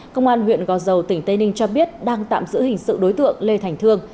công an huyện gò dầu tỉnh tây ninh cho biết đang tạm giữ hình sự đối tượng lê thành thương